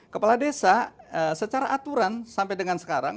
kepala desa secara aturan sampai dengan sekarang